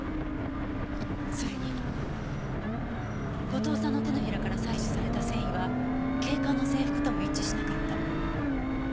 それに後藤さんの手のひらから採取された繊維は警官の制服とも一致しなかった。